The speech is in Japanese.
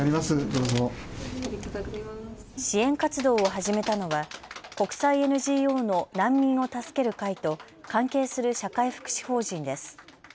支援活動を始めたのは国際ＮＧＯの難民を助ける会と関係する社会福祉法人です。